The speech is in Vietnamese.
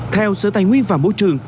theo sở tài nguyên và môi trường